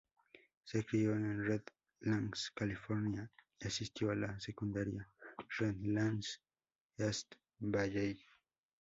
Se crio en Redlands, California, y asistió a la Secundaria Redlands East Valley.